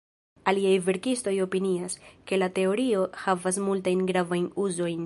Aliaj verkistoj opinias, ke la teorio havas multajn gravajn uzojn.